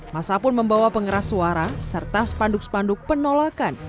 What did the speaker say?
masa pun membawa pengeras suara serta spanduk spanduk penolakan